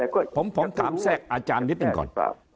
ผมถามแทรกอาจารย์นิดหนึ่งก่อน